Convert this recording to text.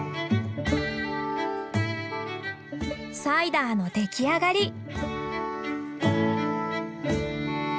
サイダーの出来上がり。